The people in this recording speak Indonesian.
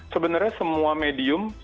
sebenarnya semua medium tetap akan ada